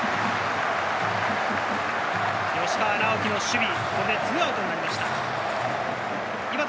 吉川尚輝の守備、これで２アウトになりました。